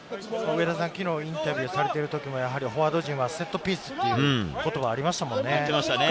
昨日インタビューしている時もフォワード陣はセットピースっていう言葉もありましたもんね。